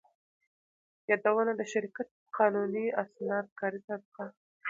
يادونه: د شرکت قانوني اسناد، کاري سابقه،